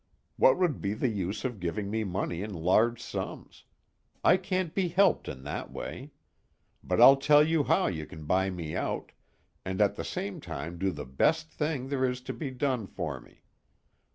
What would be the use of giving me money in large sums? I can't be helped in that way. But I'll tell you how you can buy me out, and at the same time do the best thing there is to be done for me.